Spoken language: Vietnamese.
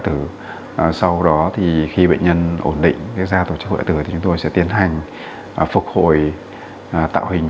tử sau đó thì khi bệnh nhân ổn định với da tổ chức hoại tử thì tôi sẽ tiến hành phục hồi tạo hình